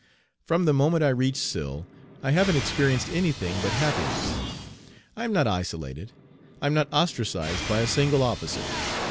From the moment I reached Sill I haven't experienced any thing but happiness. I am not isolated. I am not ostracized by a single officer.